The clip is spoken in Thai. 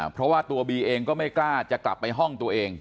เพราะว่าตัวบีเองก็ไม่กล้าจะกลับไปห้องตัวเอง